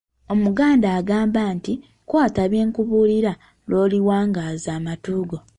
Omuganda agamba nti, "kwata byenkubuulira lw'oliwangaaza amatu go".